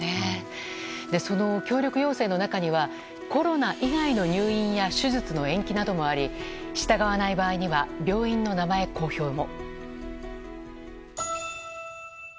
その協力要請の中にはコロナ以外の入院や手術の延期などもあり従わない場合には病院の名前公表も。